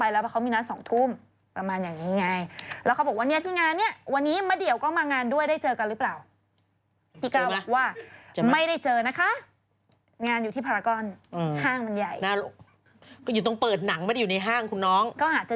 อัปโหลดเผยแพร่ผ่านยูทูปเหมือนกันค่ะคุณม้าคะ